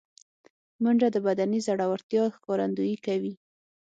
منډه د بدني زړورتیا ښکارندویي کوي